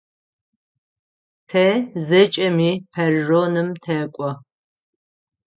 Тэ зэкӏэми перроным тэкӏо.